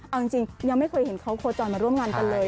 เอาจริงยังไม่เคยเห็นเขาโคจรมาร่วมงานกันเลย